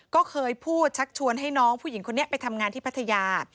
ก็เคยพูดชักชวนให้น้องผู้หญิงคนนี้ไปทำงานที่พัทยา